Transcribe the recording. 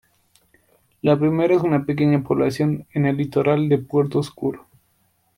La primera es una pequeña población en el litoral de Puerto Oscuro.